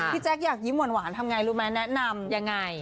แจ๊คอยากยิ้มหวานทำไงรู้ไหมแนะนำยังไง